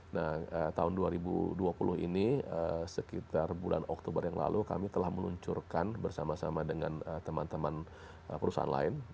nah tahun dua ribu dua puluh ini sekitar bulan oktober yang lalu kami telah meluncurkan bersama sama dengan teman teman perusahaan lain